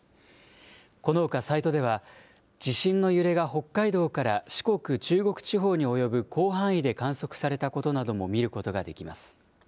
このほかサイトでは、地震の揺れが北海道から四国、中国地方に及ぶ広範囲で観測されたことも見ることができます。